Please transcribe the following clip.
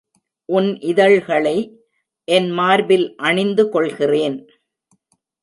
உன் இதழ்களை என் மார்பில் அணிந்து கொள்கிறேன்.